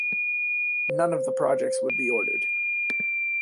None of the projects would be ordered.